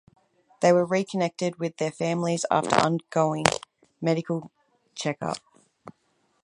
They were reconnected with their families after undergoing medical check up.